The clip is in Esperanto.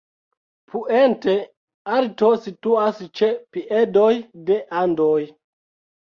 Puente Alto situas ĉe piedoj de Andoj.